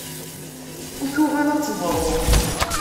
Ur tuɣal ad teḍṛu!